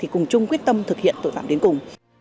cũng thực hiện tội phạm đến cùng